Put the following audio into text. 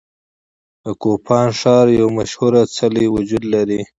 د کوپان ښار یو مشهور څلی وجود لري.